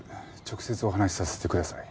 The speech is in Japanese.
直接お話しさせてください。